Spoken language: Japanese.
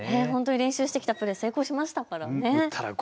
練習してきたプレー、成功しましたからね。